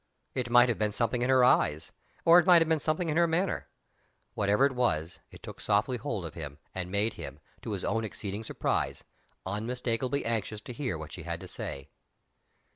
It might have been something in her eyes, or it might have been something in her manner. Whatever it was, it took softly hold of him, and made him, to his own exceeding surprise, unmistakably anxious to hear what she had to say!